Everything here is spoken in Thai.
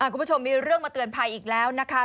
คุณผู้ชมมีเรื่องมาเตือนภัยอีกแล้วนะคะ